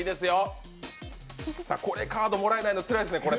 これでカードもらえないのつらいですね。